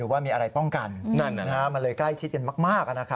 ว่ามีอะไรป้องกันมันเลยใกล้ชิดกันมาก